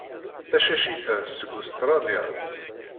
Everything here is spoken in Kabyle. Tacacit-a seg Ustṛalya.